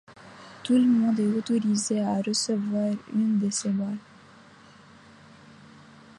Tout le monde est autorisé à recevoir une de ces balles.